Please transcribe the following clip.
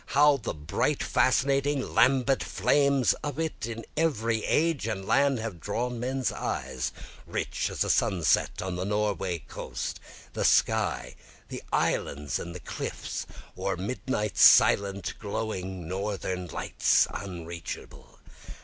How the bright fascinating lambent flames of it, in every age and land, have drawn men's eyes, Rich as a sunset on the Norway coast, the sky, the islands, and the cliffs, Or midnight's silent glowing northern lights unreachable.